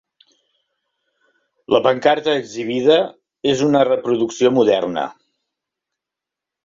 La pancarta exhibida és una reproducció moderna.